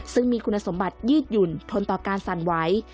ซึ่งมีคุณสมบัติยืดหยุ่นทนต่อการสั่นไหว